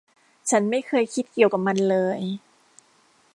ฉันไม่เคยคิดเกี่ยวกับมันเลย